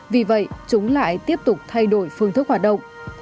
vì vậy chúng lại tiếp tục thay đổi phương thức hoạt động